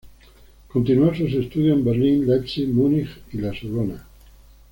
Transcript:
Continuó sus estudios en Berlín, Leipzig, Múnich y La Sorbona.